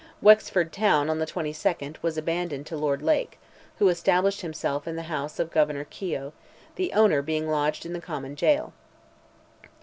Wexford town, on the 22nd, was abandoned to Lord Lake, who established himself in the house of Governor Keogh, the owner being lodged in the common jail.